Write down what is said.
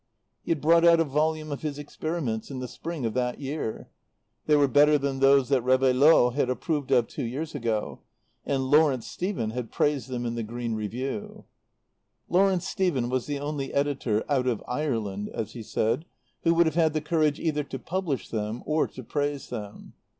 He had brought out a volume of his experiments in the spring of that year; they were better than those that Réveillaud had approved of two years ago; and Lawrence Stephen had praised them in the Green Review. Lawrence Stephen was the only editor "out of Ireland," as he said, who would have had the courage either to publish them or to praise them.